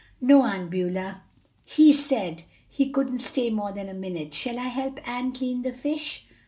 "No, Aunt Beulah, he said he couldn't stay more than a minute. Shall I help Ann clean the fish?"